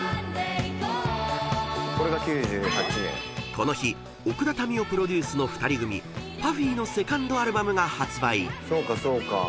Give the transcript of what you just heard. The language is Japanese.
［この日奥田民生プロデュースの２人組ＰＵＦＦＹのセカンドアルバムが発売］